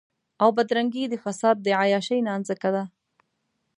او بدرنګي د فساد د عياشۍ نانځکه ده.